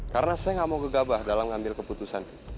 karena saya nggak mau gegabah dalam ngambil keputusan fit